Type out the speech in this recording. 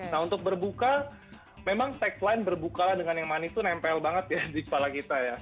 nah untuk berbuka memang tagline berbukalah dengan yang manis itu nempel banget ya di kepala kita ya